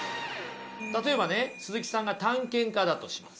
例えばね鈴木さんが探検家だとします。